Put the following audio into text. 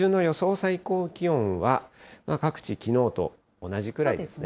最高気温は、各地、きのうと同じくらいですね。